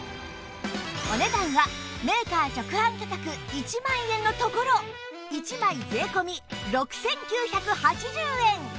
お値段はメーカー直販価格１万円のところ１枚税込６９８０円